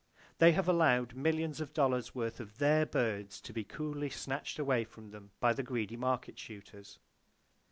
They have allowed millions of dollars worth of their birds to be coolly snatched away from them by the greedy market shooters.